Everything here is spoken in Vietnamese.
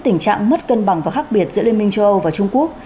tình trạng mất cân bằng và khác biệt giữa liên minh châu âu và trung quốc